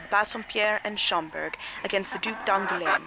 Bassompierre and Schomberg, against the Duc d'Angoulême.